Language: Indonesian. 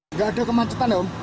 tidak ada kemacetan